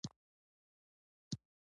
زما غږ خوږېږې او ته سندرې غواړې!